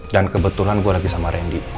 dan kebetulan gue lagi sama rendy